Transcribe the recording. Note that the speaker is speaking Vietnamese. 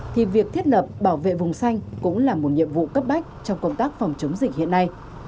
thì việc thiết lập bảo vệ vùng xanh cũng là một nhiệm vụ cấp bách trong công tác phòng chống dịch hiện nay